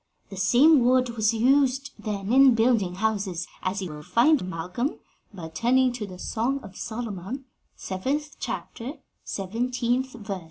The same wood was used then in building houses, as you will find, Malcolm, by turning to the Song of Solomon, seventh chapter, seventeenth verse."